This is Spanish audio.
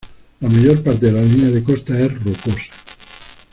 La mayor parte de la línea de costa es rocosa.